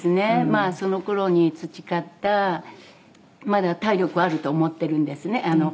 まあその頃に培ったまだ体力はあると思っているんですね。